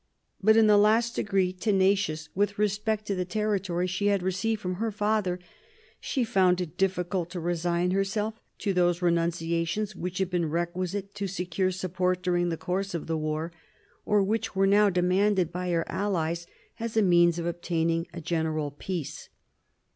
But in the last degree tenacious with respect to the territory she had received from her father, she found it difficult to resign herself to those renunciations which had been requisite to secure support during the course of the war, or which were now demanded by her allies as a means of obtaining a general peace.